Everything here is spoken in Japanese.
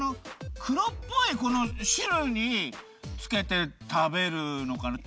くろっぽいしるにつけて食べるのかな？